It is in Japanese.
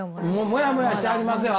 もやもやしてはりますよ！